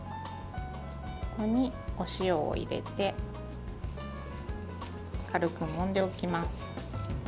ここにお塩を入れて軽くもんでおきます。